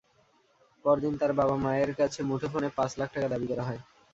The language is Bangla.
পরদিন তার বাবা-মায়ের কাছে মুঠোফোনে পাঁচ লাখ টাকা দাবি করা হয়।